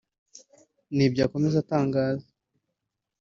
nibyo akomeza atangaza